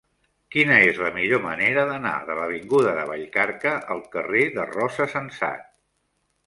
Quina és la millor manera d'anar de l'avinguda de Vallcarca al carrer de Rosa Sensat?